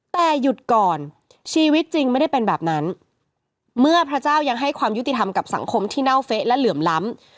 แต่หยุดก่อนชีวิตจริงไม่ได้เป็นแบบนั้นเมื่อพระเจ้ายังให้ความยุติธรรมกับสังคมที่เน่าเฟะและเหลื่อมล้ำ